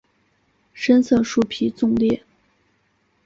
深色树皮纵裂。